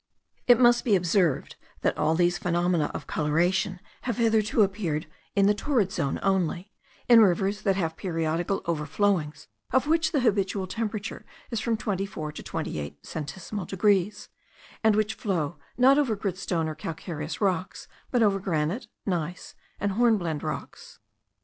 It must be observed that all these phenomena of coloration have hitherto appeared in the torrid zone only, in rivers that have periodical overflowings, of which the habitual temperature is from twenty four to twenty eight centesimal degrees, and which flow, not over gritstone or calcareous rocks, but over granite, gneiss, and hornblende rocks.